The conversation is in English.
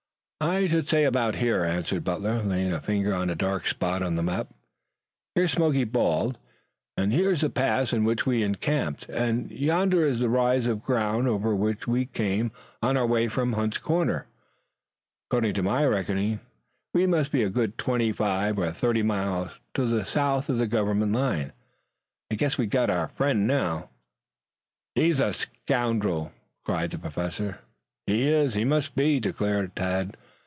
"I should say about here," answered Butler, laying a finger on a dark spot on the map. "Here is Smoky Bald, here is the pass in which we are encamped, and yonder is the rise of ground over which we came on our way from Hunt's Corners. According to my reckoning, we must be a good twenty five or thirty miles to the south of the government line. I guess we've got our friend now." "He's a scoundrel!" cried the Professor. "He is. He must be," declared Tad.